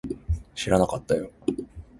知らなかったよ